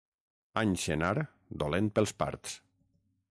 Any senar, dolent pels parts.